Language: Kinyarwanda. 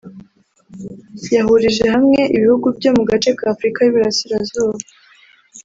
yahurije hamwe ibihugu byo mu gace ka Afurika y’uburasirazuba